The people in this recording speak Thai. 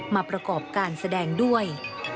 มาประกอบการแสดงด้วย